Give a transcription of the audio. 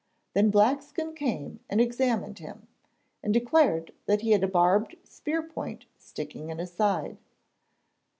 Then Blackskin came and examined him, and declared that he had a barbed spear point sticking in his side.